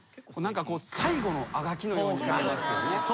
最後のあがきのように見えますよね。